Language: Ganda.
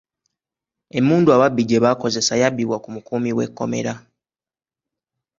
Emmundu ababbi gye baakozesa yabibbwa ku mukuumi w'ekkomera.